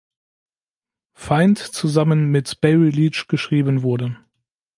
Fiend zusammen mit Barry Leitch geschrieben wurde.